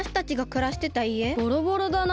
ボロボロだな。